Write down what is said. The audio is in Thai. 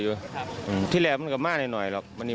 อยู่ตรงกลางอะไรรู้ไหมคะอะไรค่ะตรงกลาง